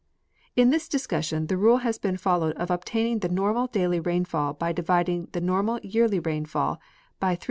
In this discussion the rule has been followed of obtaining the normal daily rainfall by dividing the normal yearly rain fall by 365.25.